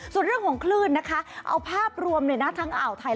ส่วนเรื่องของคลื่นนะคะเอาภาพรวมเลยนะทั้งอ่าวไทย